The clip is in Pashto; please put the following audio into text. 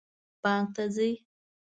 بانک ته ځئ؟